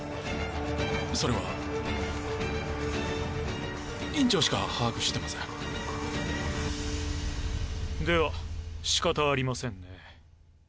それは院長しか把握してませんでは仕方ありませんね